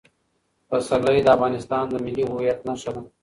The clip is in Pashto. پسرلی د افغانستان د ملي هویت نښه ده.